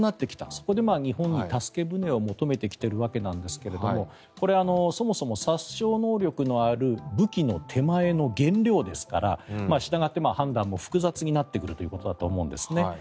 そこで日本に助け舟を求めてきているわけですがこれはそもそも殺傷能力のある武器の手前の原料ですからしたがって判断も複雑になってくるということだと思うんです。